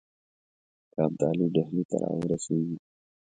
که ابدالي ډهلي ته را ورسیږي.